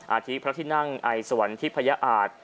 อาทิพระที่นั่งไอสวรรคิพยาอาจ